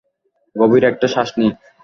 গভীর একটা শ্বাস নিই।